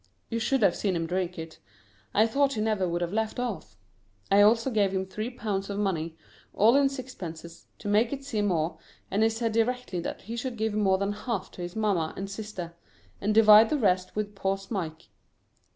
You should have seen him drink it. I thought he never would have left off. I also gave him three pounds of money, all in sixpences, to make it seem more, and he said directly that he should give more than half to his mamma and sister, and divide the rest with poor Smike.